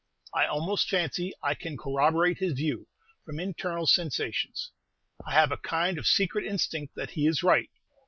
I almost fancy I can corroborate his view, from internal sensations; I have a kind of secret instinct that he is right.